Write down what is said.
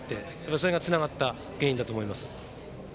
それがつながった原因だと思います。